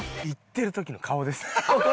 イッてる時の顔です。